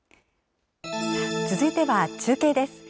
続いては中継です。